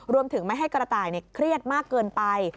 รวมถึงไม่ให้กระต่ายเครียดมากเกินไป